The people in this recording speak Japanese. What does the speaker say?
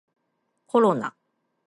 コロナ